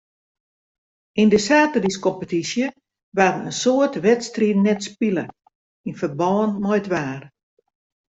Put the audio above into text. Yn de saterdeiskompetysje waarden in soad wedstriden net spile yn ferbân mei it waar.